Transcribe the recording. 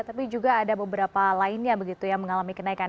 tapi juga ada beberapa lainnya begitu yang mengalami kenaikan